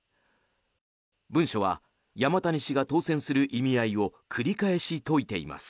文書は山谷氏が当選する意味合いを繰り返し説いています。